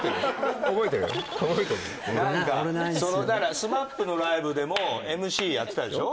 何かそのだからＳＭＡＰのライブでもＭＣやってたでしょ？